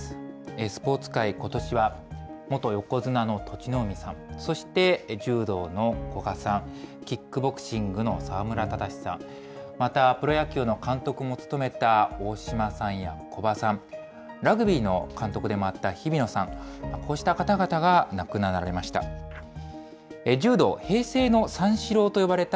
スポーツ界、ことしは元横綱の栃ノ海さん、そして柔道の古賀さん、キックボクシングの沢村忠さん、またプロ野球の監督も務めた大島さんや古葉さん、ラグビーの監督でもあった日比野さん、こうした方々が亡くなられました。